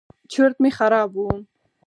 چورت مې خراب و.